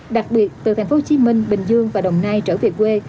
đặc biệt từ thành phố hồ chí minh bình dương và đồng nai trở về quê